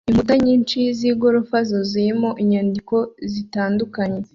Inkuta nyinshi nigorofa zuzuyemo inyandiko zitandukanye